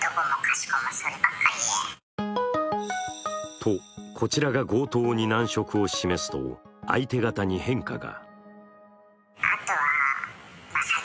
と、こちらが強盗に難色を示すと相手方に変化が。